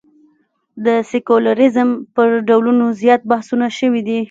د سیکولریزم پر ډولونو زیات بحثونه شوي دي.